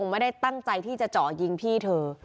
พี่อุ๋ยพ่อจะบอกว่าพ่อจะรับผิดแทนลูก